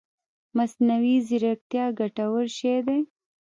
مصنوعي ځيرکتيا ګټور شی دی